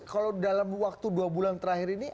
kalau dalam waktu dua bulan terakhir ini